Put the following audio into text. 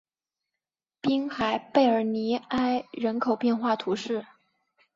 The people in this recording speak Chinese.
滨海贝尔尼埃人口变化图示